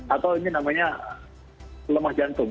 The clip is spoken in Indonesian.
atau ini namanya lemah jantung